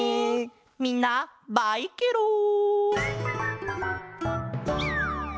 みんなバイケロン！